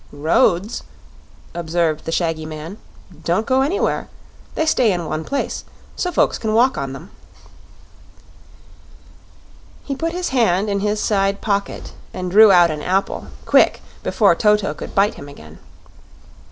"Roads," observed the shaggy man, "don't go anywhere. They stay in one place, so folks can walk on them." He put his hand in his side pocket and drew out an apple quick, before Toto could bite him again.